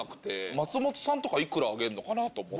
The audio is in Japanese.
松本さんとかいくらあげんのかなと思って。